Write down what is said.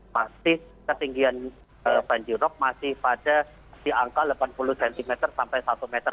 masih ketinggian banjirop masih pada di angka delapan puluh cm sampai satu meter